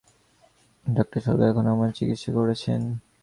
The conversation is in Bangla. ডা সরকার এখন আমার চিকিৎসা করছেন।